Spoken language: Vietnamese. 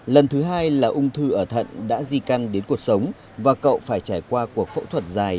lần thứ hai là ung thư ở thận đã di căn đến cuộc sống và cậu phải trải qua cuộc phẫu thuật dài